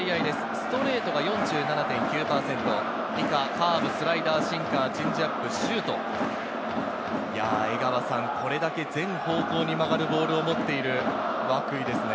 ストレートが４７．９％、以下、カーブ、スライダー、シンカー、チェンジアップ、シュート、これだけ全方向に曲がるボールを持っている涌井ですね。